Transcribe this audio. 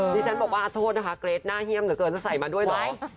ที่ฉันบอกว่าโทษนะคะเกรทน่าเยี่ยมเหลือเกินจะใส่มาด้วยเนาะ